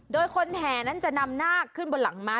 โดยคนแห่นั้นจะนำนาคขึ้นบนหลังม้า